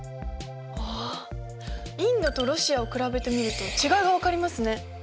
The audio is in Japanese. あっインドとロシアを比べてみると違いが分かりますね。